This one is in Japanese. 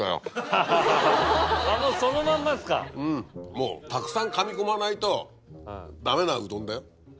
もうたくさんかみ込まないとダメなうどんだよ。